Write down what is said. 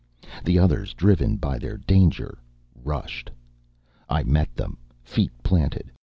The others, driven by their danger, rushed. I met them, feet planted.